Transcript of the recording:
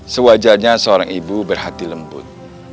sewajarnya seorang ibu berhati lembut